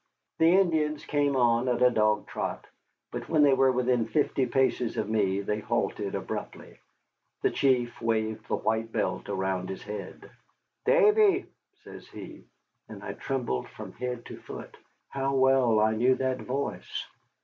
The Indians came on at a dog trot, but when they were within fifty paces of me they halted abruptly. The chief waved the white belt around his head. "Davy!" says he, and I trembled from head to foot. How well I knew that voice!